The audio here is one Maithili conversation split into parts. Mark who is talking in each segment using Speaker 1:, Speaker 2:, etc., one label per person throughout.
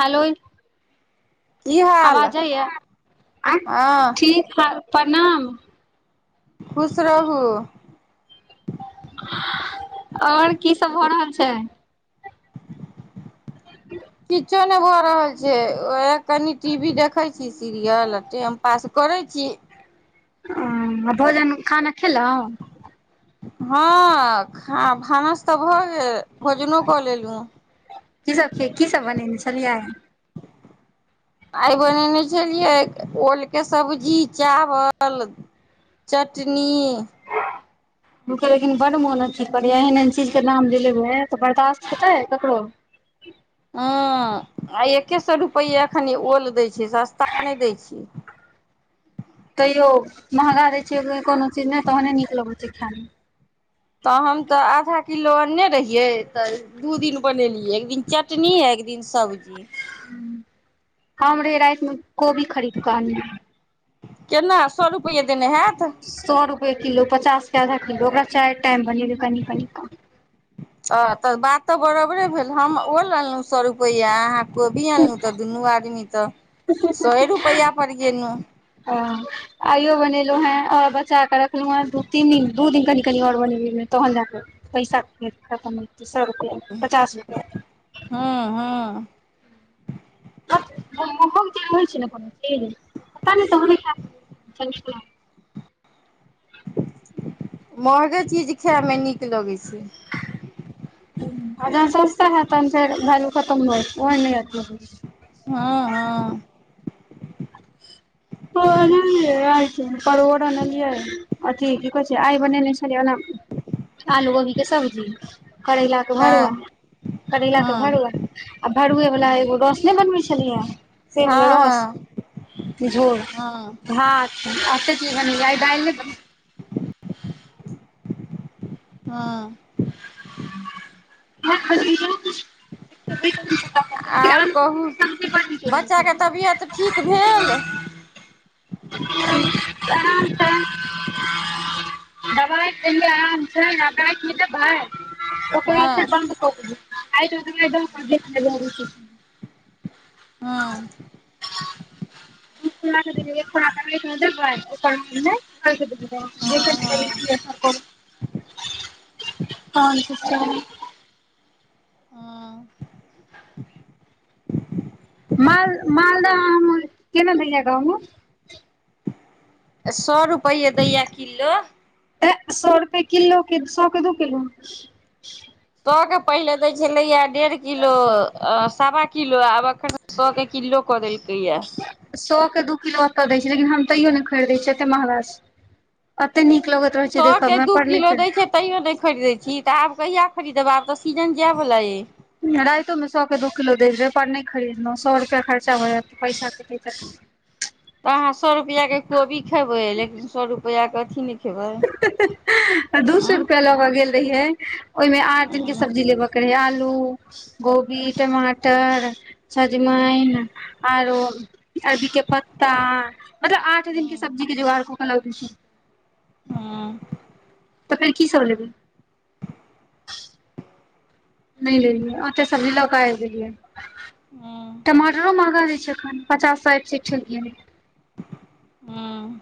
Speaker 1: हेलो
Speaker 2: की हाल
Speaker 1: आवाज जैयऽ
Speaker 2: हँ
Speaker 1: ठीक हइ प्रणाम
Speaker 2: खुश रहू
Speaker 1: आऔर की सब भ रहल छै
Speaker 2: किछो नहि भऽ रहल छै उएह कनि टी वी देखैत छी सीरियल आ टाइम पास करैत छी
Speaker 1: ओ भोजन खाना खेलउ
Speaker 2: हँ खा भानस तऽ भऽ गेल भोजनो कऽ लेलहुँ
Speaker 1: की सब खे की सब बनेने छलियै
Speaker 2: आइ बनेने छलियै ओल के सब्जी चावल चटनी
Speaker 1: मु लेकिन बड मोन अथी करै एहन एहन चीज के नाम ले लेबै तऽ बर्दाश्त हेतै ककरो
Speaker 2: ह आ एकके सए रुपैए एखन ओल दै छै सस्ता नहि दै छै
Speaker 1: तैयो महँगा रहै छै कोनो चीज नहि तहने नीक लगैत छै खायइमे
Speaker 2: तऽ हम तऽ आधा किलो अन्ने रहियै तऽ दू दिन बनेलियै एक दिन चटनी एक दिन सब्जी
Speaker 1: हम रहे रातिमे कोबी खरीद कऽ अनने
Speaker 2: केना सए रुपैआ देने हयैत
Speaker 1: सए रुपए किलो पचासके आधा किलो ओकरा चारि टाइम बनेलबियै कनि कनि कम
Speaker 2: ह तऽ बात तऽ बराबरे भेल हम ओल अनलो सए रुपैआ अहाँ कोबी अनलहुँ तऽ दुनू आदमी तऽ सए रुपआ पर गेलहु
Speaker 1: हँ आइयो बनेलहु है और बचा क रखलहु हैंू तीन दिन दू दिन कनि कनि आओर बनेी तहन जााके पैसा खतम हेते सघते पचास रुपआ के
Speaker 2: हँ हँ
Speaker 1: छै ने कोनो पता नहि त [unintelligible]
Speaker 2: महगे चीज खायमे नीक लगैत छै
Speaker 1: [inaudible] जहन सस्ता हयत तहन फेर वैलू खतम हो ओह नहि हयत
Speaker 2: हँ हँ
Speaker 1: [unintelligible] परोर अनलिए अथी की कहै छै आइ बनेने छली ओना आलू बगी के सब्जी करैला
Speaker 2: हँ
Speaker 1: भरुआ करैला तऽ
Speaker 2: हँ
Speaker 1: भरुआ आ भरुए वालला
Speaker 2: हँ
Speaker 1: एगो रस नहि बनबे छलियै से वाल रस
Speaker 2: हँ
Speaker 1: झोर
Speaker 2: हँ
Speaker 1: [unintelligible]
Speaker 2: हँ आओर कहू
Speaker 1: [unintelligible]
Speaker 2: बच्चाके
Speaker 1: लगैये
Speaker 2: तबियत ठीक भेल
Speaker 1: आराम तँ दबाइ देलिया आराम छै आब राति मे
Speaker 2: हँ
Speaker 1: देबे [unintelligible]
Speaker 2: हँ
Speaker 1: [unintelligible] [unintelligible]
Speaker 2: हँ हँ
Speaker 1: [unintelligible] [unintelligible]
Speaker 2: हँ
Speaker 1: माल मालदह हम केना दैया गाँवमे
Speaker 2: सौ रुपैआ दइया किलो
Speaker 1: ए सौ रुपए किलो के सौ के दू किलो
Speaker 2: सएके पहिले दै छलैएा डेढ़ किलो अ सवा किलो आब अखन सौ के किलो कऽ देलकैयए
Speaker 1: सौ के दू किलो ओतय दै छै लेकिन हम तैयो नहि खरीदै छियै एतेक महँगा छै एते नीक लगैत रहै छै
Speaker 2: सए
Speaker 1: देखय
Speaker 2: के
Speaker 1: मे
Speaker 2: दू
Speaker 1: पर नहि
Speaker 2: किलो दै
Speaker 1: खरीदय
Speaker 2: छै तैयो नहि खरीदै छी तऽ आब कहिया खरीदबै आब तऽ सीजन जाय बला अइ
Speaker 1: रातोमे सए के दू किलो दजै पर नहि खरीदलहुँ सौ रुपैआ खर्चा होय जात पैसाे
Speaker 2: तऽ अहाँ सए रुपआ के कोबी खेबे लेकिन सए रुपआ के अथी ने खेबे
Speaker 1: दू सए रुपआ लेबऽ गेल रहिये ओहिमे आठ दिन के
Speaker 2: उं
Speaker 1: सब्जी लेब कर आलू गोभी टमाटर
Speaker 2: उं
Speaker 1: सजमैन आरो अरबी के पत्ता मतलब आ ओहि दिनक
Speaker 2: उं
Speaker 1: सब्जी के जोगड़ क लबै छिय
Speaker 2: हुँ
Speaker 1: तऽखन की सब लेबेय नहि ले लिय आँटे सब्जी लौक आबि गेलिए
Speaker 2: हुँ
Speaker 1: टमाटरो महंगा दइ छै अखन पचास साठ सँ ठेक गेलैय
Speaker 2: हुँ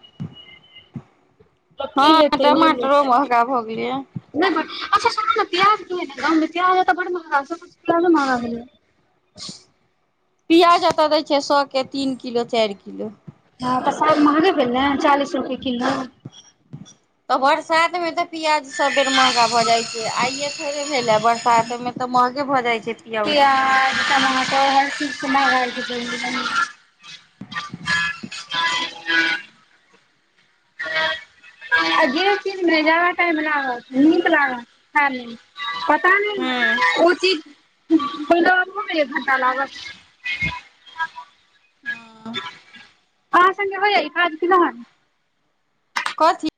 Speaker 1: लोक की
Speaker 2: हँ
Speaker 1: लेतै नहि
Speaker 2: टमाटरो
Speaker 1: लेतै
Speaker 2: महगा भऽ गेलै
Speaker 1: नहि ब अच्छा सुनू ने प्याज ने ग प्याज तऽ बड महगा प्याजो महँगा भेलय या
Speaker 2: प्याज एतऽ दै छिय सौ के तीन किलो चारि किलो
Speaker 1: हँ तऽसाद महँगे भेल ने चालीस रुपए किलो
Speaker 2: तऽ बरसात में तऽ प्याज सब बेर महगा भऽ जाइ छै आइये थोड़े भेले बरसात तहिमे तऽ महगे भऽ जाइ छै पियौज हूँ
Speaker 1: प्याज टमाटर हर चीज कें मंगाई छै कनि न कनि ह [inaudible] आ जे चीज मे ज्यादा टाइम लागत नीक लागत खा लेम तामे
Speaker 2: हँ
Speaker 1: ओ चीज आबै हो मे एक घंटा लागत
Speaker 2: हँ
Speaker 1: आ संगे होईया इ काज की नहि
Speaker 2: कथी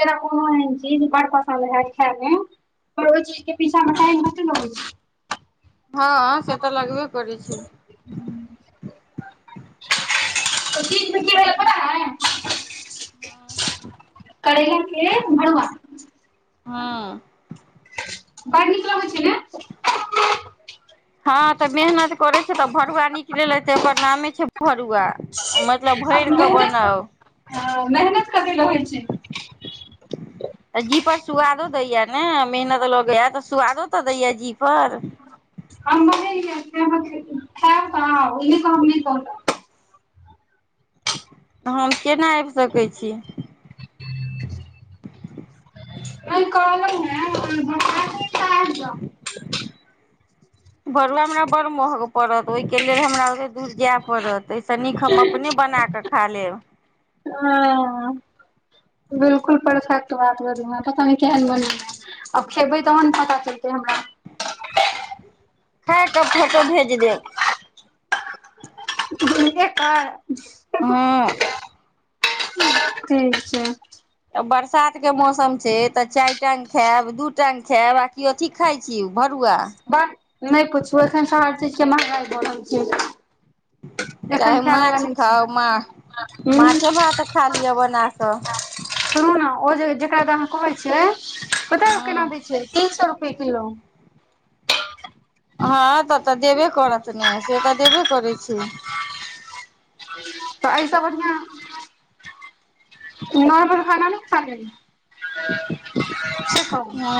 Speaker 1: जेरा कोनोन चीज बड़ पसन्द है खाय मे पर ओ चीज कें पीछा मे टाइम कते लागए छै
Speaker 2: हँ से तऽ लगबे करै छै
Speaker 1: हुँ चीज कि भेल पता हय कड़लाके भड़ूआ
Speaker 2: हँ
Speaker 1: बड़ नीक लगै छै ने
Speaker 2: हँ तऽ मेहनत करे छै तऽ भरुआ निकलेे ओकर नामे छै भरुआ मतलब भैरर कऽ बनाउ
Speaker 1: हां मेहनत कतेय रहै छै
Speaker 2: जी पर सुआदो दैया ने मेहनत लगैया तऽ सुआदो तऽ दैया जी पर
Speaker 1: हम बनेलिए खाब त आउ ओ नहि कहब जें नहि कहलक
Speaker 2: ऽ हम केना आबि सकैत छी
Speaker 1: नै कहलहूँ ऐं बरसाटे ता आबि जाउ
Speaker 2: बरला हमरा बड़ महग पड़त ओहिके लेल हमरा ओतय दूर जाय पड़त एहिसँ नीक हम अपने बनाकऽ खा लेब
Speaker 1: हां अ बिलकुल परफेक्ट बात बजलु है पता ने केहन बनल आब खेबै तहन पता चलतै हमरा
Speaker 2: खाकेऽ फोटो भेज देब
Speaker 1: बाय
Speaker 2: हँ
Speaker 1: ठीक छै
Speaker 2: बरसात के मौसम छै तऽ चारि टाइम खैब दू टाइम खैब आ की ओथी खाइ छी भरुआ
Speaker 1: बाह नहि पुछू एखन सारा चीज के महंगाई बढल छै
Speaker 2: चाहे
Speaker 1: एखन खाय वला
Speaker 2: माछ
Speaker 1: नहि छै
Speaker 2: खाउ मा
Speaker 1: हूं
Speaker 2: माछे भात खा लिअ बना कऽ
Speaker 1: सुनू ने ओ जेकरा तऽ अहाँ कहै छियै बता केना
Speaker 2: हँ
Speaker 1: दै छियै तीन सौ रुप रुपये किलो
Speaker 2: हँ तऽ तऽ देबे करत ने से तऽ देबे करै छी
Speaker 1: तऽ एहिसँ बढ़िया नर्मल खाना ने खा लेते से कहू
Speaker 2: हँ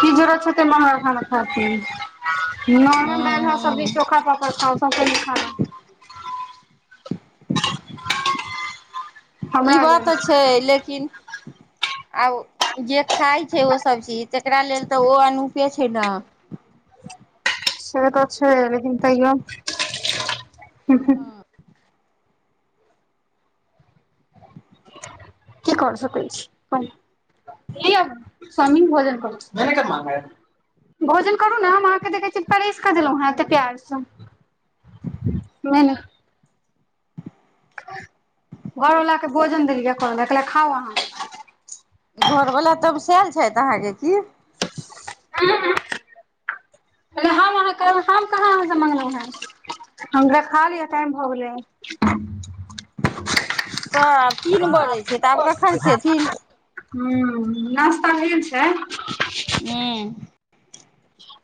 Speaker 1: कि जरूरत छै नार्मल खाना
Speaker 2: हँ
Speaker 1: दाल भात सब्जी
Speaker 2: हँ
Speaker 1: चोखा पापड़ खाउ सबसँ निक खाना
Speaker 2: ई
Speaker 1: हमरा
Speaker 2: बात
Speaker 1: लेल
Speaker 2: तऽ छै लेकिन आब जे खाय छै ओ सब चीज तकरा लेल तऽ ओ अनूपे छै ने
Speaker 1: से तऽछै लेकिन तयो की कर सकै छी कोन लिय स्वामी भोजन करु भोजन करू ने हम अहाँकेँ देखै छी परस क देलू हँ एते प्यारसँ घरवला के भोजन देलिय कहलिए है खाउ अहाँ
Speaker 2: घरवला तमसैल छथि अहाँके की
Speaker 1: अह अह कह हम अहाँ कह हम कहाँ अहाँ से मगलू हं हम कहलिये खा लियै टाइम भऽ गेलै [inaudible]
Speaker 2: तऽब तीन बजै छै तऽ आब कखन खेथिन
Speaker 1: हू नश्ता भेल छै
Speaker 2: हू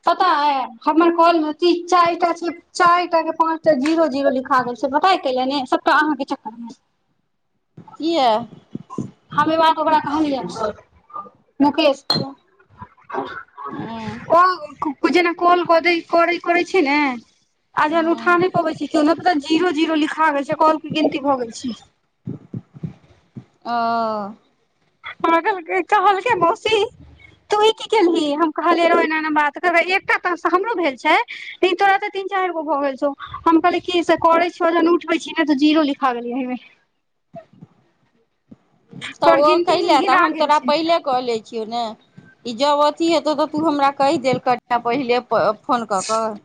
Speaker 1: पता ह हमर काल मे चारिटा चारिटा के पाँच टा जीरो जीरो लिखा गेल से पता अप कयले ने सबटा अहाँ के चक्कर मे
Speaker 2: कियै
Speaker 1: हम ई बात ओकरा कहलिय मुकेश
Speaker 2: हूँ
Speaker 1: ओल जेना कोल कोद करै करै छै ने आ जहन
Speaker 2: हूँ
Speaker 1: उठा नहि पबै छै के त जीरो जीरो लिखा गेल छै कॉल के गिनती भऽ गेल छै
Speaker 2: ओ
Speaker 1: पागल कहलकय ए‌ मौसी तऽ ओहि की केलही हम कहलिय रौ एना ए बात एकटा त हमरो भेल छै लेकिन तोरा तऽ तीन चारि गो भऽ गेल छौ हम कहलिय कि से करे छियै जेहन उठबे छी तऽ जीरो लिखा गेलियै हे
Speaker 2: तऽ
Speaker 1: पर
Speaker 2: ओ
Speaker 1: गिनती मे
Speaker 2: कइलै
Speaker 1: गिना
Speaker 2: हम
Speaker 1: गेल
Speaker 2: तोरा
Speaker 1: छै
Speaker 2: पहिले कह लै छियौ ने ई जब अथी हेतौ तऽ तू हमरा कहि देल करिए पहिले फोन कऽ कऽ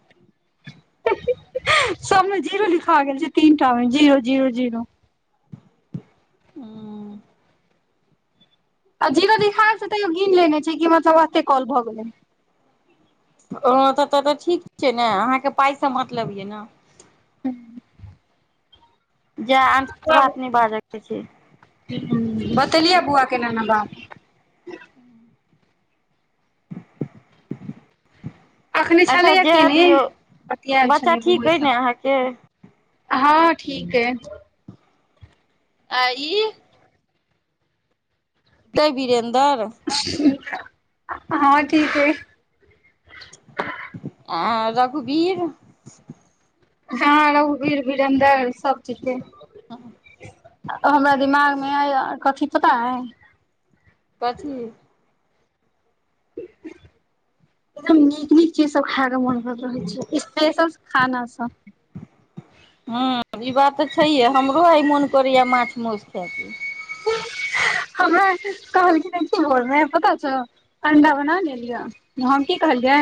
Speaker 1: सबमे जीरो लिखा गेल छै तीनटा मे जीरो जीरो जीरो
Speaker 2: हँ
Speaker 1: आ जीवन दिखाय से तैयो हीन लेने छै कि मतलब एते कॉल भऽ गेलै
Speaker 2: ओ तऽ तऽ ठीक छिय ने अहाँके पाइसँ मतलब यए ने
Speaker 1: [inaudible]
Speaker 2: जाय अ बात नहि बाजै छै
Speaker 1: ह बतेलियै बौआ केना
Speaker 2: [inaudible]
Speaker 1: अखने
Speaker 2: अच्छा
Speaker 1: छलैया
Speaker 2: जाए
Speaker 1: केने
Speaker 2: दियौ
Speaker 1: बतियायल
Speaker 2: बच्चा
Speaker 1: छलै
Speaker 2: ठीक
Speaker 1: बोस
Speaker 2: अइ ने
Speaker 1: सब
Speaker 2: अहाँके
Speaker 1: हँ ठीक ये
Speaker 2: आ ई के बीरेन्दर
Speaker 1: हँ ठीके
Speaker 2: आ रघुबीर
Speaker 1: ह रघुबीर बिरन्दर सब ठीक अच हमरा दिमाग मे ऐल कथी पता है
Speaker 2: कथी
Speaker 1: [inaudible] एकदम नीक नीक चीज सब खाय के मन कर रहै छै स्पेशल खाना सब
Speaker 2: हूँ ई बात तऽ छैहे हमरो आ मोन करैया माछ मोस खायके
Speaker 1: हमरा कहलखिन की बोल रहे है पता छौ अंडा बना लेलियअ हम की कहलियै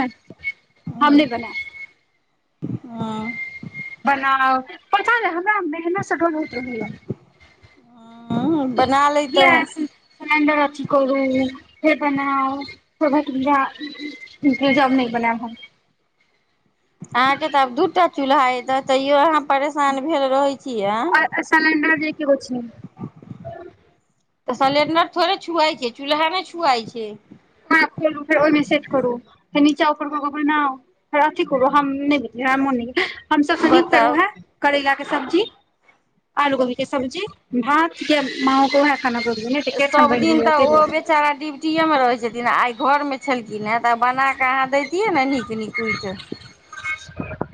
Speaker 1: हम नहि बना
Speaker 2: हँ
Speaker 1: बनाउ पता ने हमरा ने स होत
Speaker 2: बना लैतहुँ
Speaker 1: गस [inaudible] सिल्डर अथी करू फे बनाउ फेर पूरा जब नहि बनयब भन
Speaker 2: अहाँके तऽ आब दूटा चूल्हा एतह तैयो अहाँ परेशान भेल रहैत छीयै ए
Speaker 1: सिलिडर जे एकेगो अछि
Speaker 2: तऽ सलेंडर थोड़े छुआए छै चूल्हा ने छुआए छै
Speaker 1: हा खोलू फेर ओहिमे सेट करू फेर नीचा ऊपर कऽ के बनाउ अथि करो हम नहि भेलियै मोन नहि हमसभ कनि फेर
Speaker 2: बताउ
Speaker 1: उएह करैलाके सब्जी आलू कभी के सब्जी भात माम क ह खाना करब ने तऽ पेट हमर
Speaker 2: सब
Speaker 1: भरि
Speaker 2: दिन
Speaker 1: गेल
Speaker 2: तऽ
Speaker 1: ताहि
Speaker 2: ओ
Speaker 1: दुआरे
Speaker 2: बेचारा दिन छुट्टीए मे रहे छथिन आइ घर मे छलखिन हे तऽ बनााके अहाँ दैतियै ने नीक नीक उ
Speaker 1: [inaudible]